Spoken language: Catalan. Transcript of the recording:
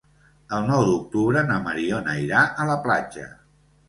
El nou d'octubre na Mariona irà a la platja.